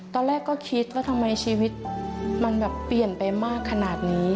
ตอนแรกก็คิดว่าทำไมชีวิตมันแบบเปลี่ยนไปมากขนาดนี้